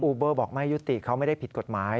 เบอร์บอกไม่ยุติเขาไม่ได้ผิดกฎหมาย